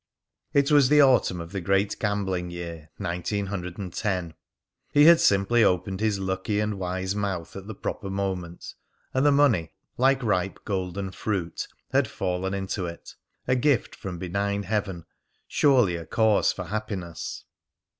(It was in the autumn of the great gambling year, 1910). He had simply opened his lucky and wise mouth at the proper moment, and the money, like ripe golden fruit, had fallen into it, a gift from benign Heaven, surely a cause for happiness!